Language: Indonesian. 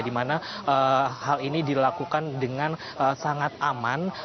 di mana hal ini dilakukan dengan sangat aman